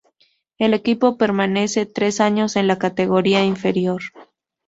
El equipo permanece tres años en la categoría inferior.